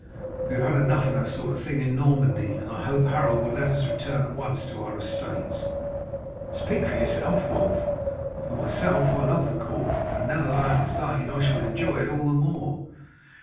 We have had enough of that sort of thing in Normandy, and I hope that Harold will let us return at once to our estates." "Speak for yourself, Wulf; for myself I love the court, and now that I am a thane I shall enjoy it all the more."